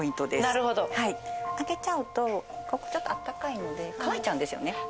なるほど上げちゃうとここちょっとあったかいので乾いちゃうんですよね